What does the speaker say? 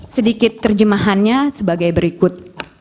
sedikit terjemahannya sebagai berikut